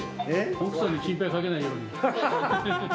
奥さんに心配かけないように。